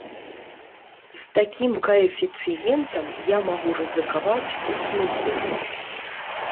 З такім каэфіцыентам я магу рызыкаваць у снукеры.